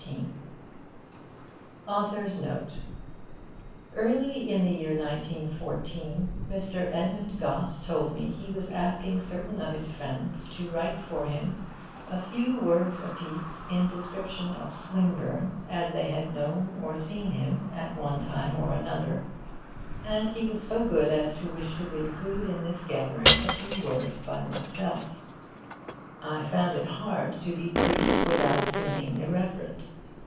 THE PINES, 1914 [Early in the year 1914 Mr. Edmund Gosse told me he was asking certain of his friends to write for him a few words apiece in description of Swinburne as they had known or seen him at one time or another; and he was so good as to wish to include in this gathering a few words by myself. I found it hard to be brief without seeming irreverent.